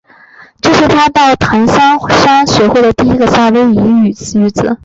这是他到檀香山学会的第一个夏威夷语句子。